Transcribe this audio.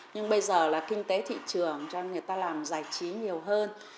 nhưng bây giờ là kinh tế thị trường cho người ta làm giải trí nhiều hơn